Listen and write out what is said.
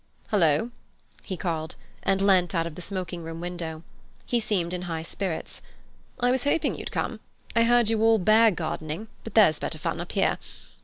"Hullo!" he called, and leant out of the smoking room window. He seemed in high spirits. "I was hoping you'd come. I heard you all bear gardening, but there's better fun up here.